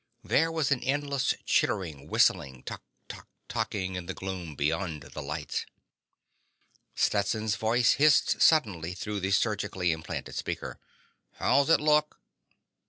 There was an endless chittering whistling tok tok toking in the gloom beyond the lights. Stetson's voice hissed suddenly through the surgically implanted speaker: "How's it look?"